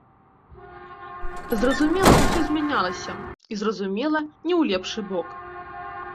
Зразумела, усё змянялася, і, зразумела, не ў лепшы бок.